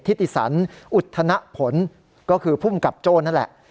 ทิติสันอุทธนผลก็คือภูมิกับโจ้นั่นแหละ